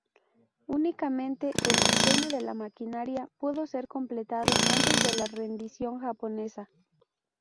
Únicamente el diseño de la maquinaria pudo ser completado antes de la rendición japonesa.